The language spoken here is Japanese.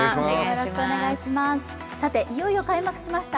いよいよ開幕しました